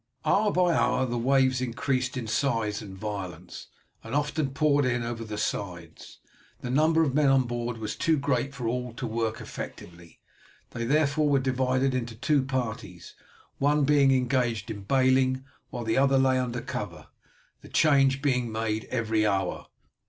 Hour by hour the waves increased in size and violence, and often poured in over the sides. The number of men on board was too great for all to work effectively. They therefore were divided into two parties, one being engaged in bailing while the other lay under cover, the change being made every hour.